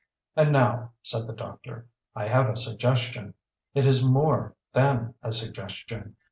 "And now," said the doctor, "I have a suggestion. It is more than a suggestion.